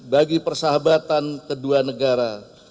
bagi persahabatan kedua negara